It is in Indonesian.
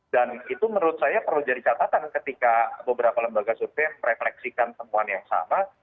dan itu menurut saya perlu jadi catatan ketika beberapa lembaga survei refleksikan temuan yang sama